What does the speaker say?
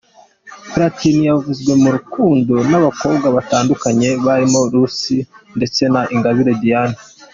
Platini yavuzwe mu rukundo n’abakobwa batandukanye barimo Rosi ndetse na Ingabire Diane.